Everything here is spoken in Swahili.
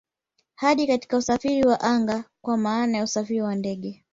Hadi katika usafiri wa anga kwa maana ya usafiri wa ndege